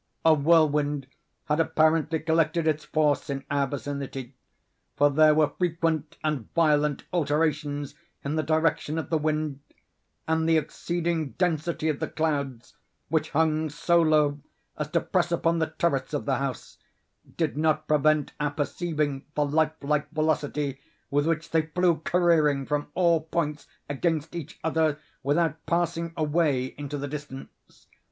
A whirlwind had apparently collected its force in our vicinity; for there were frequent and violent alterations in the direction of the wind; and the exceeding density of the clouds (which hung so low as to press upon the turrets of the house) did not prevent our perceiving the life like velocity with which they flew careering from all points against each other, without passing away into the distance.